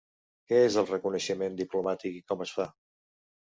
Què és el reconeixement diplomàtic i com es fa?